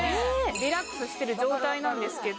リラックスしてる状態なんですけど。